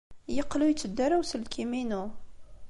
Yeqqel ur yetteddu ara uselkim-inu.